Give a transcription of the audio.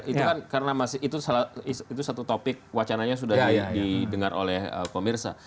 itu kan karena masih itu salah itu satu topik wacananya sudah didengar oleh pemirsa